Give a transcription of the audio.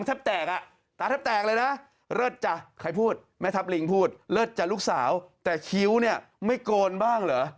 ตาจิบตอนตาก่อน